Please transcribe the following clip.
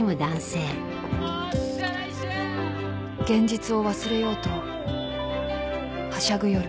［現実を忘れようとはしゃぐ夜］